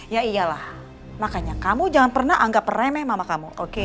ya iyalah makanya kamu jangan pernah anggap remeh mama kamu